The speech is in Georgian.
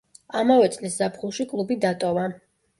ამავე წლის ზაფხულში კლუბი დატოვა.